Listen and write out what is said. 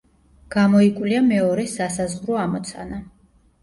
გამოიკვლია მეორე სასაზღვრო ამოცანა.